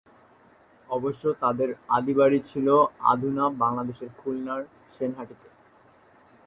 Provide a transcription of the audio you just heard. অবশ্য তাঁদের আদি বাড়ি ছিল অধুনা বাংলাদেশের খুলনার সেনহাটি'তে।